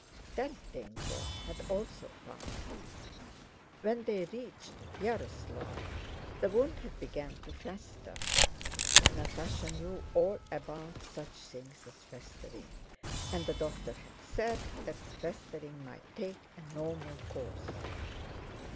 That danger had also passed. When they reached Yaroslávl the wound had begun to fester (Natásha knew all about such things as festering) and the doctor had said that the festering might take a normal course.